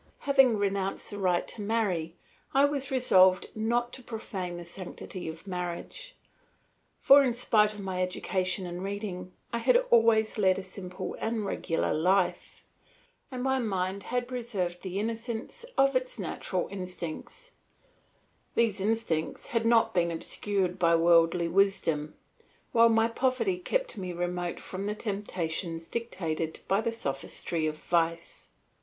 Having renounced the right to marry, I was resolved not to profane the sanctity of marriage; for in spite of my education and reading I had always led a simple and regular life, and my mind had preserved the innocence of its natural instincts; these instincts had not been obscured by worldly wisdom, while my poverty kept me remote from the temptations dictated by the sophistry of vice.